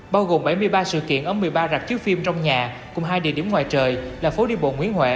bao gồm bảy mươi ba sự kiện ở một mươi ba rạp chiếu phim trong nhà cùng hai địa điểm ngoài trời là phố đi bộ nguyễn huệ